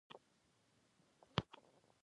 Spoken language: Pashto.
دا شعارونه هغه شخوند ته ورته دي.